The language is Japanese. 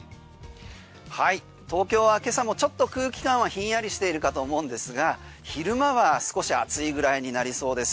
東京は今朝もちょっと空気感はひんやりしているかと思うんですが昼間は少し暑いぐらいになりそうです。